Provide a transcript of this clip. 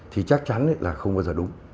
thì chắc chắn là không bao giờ đúng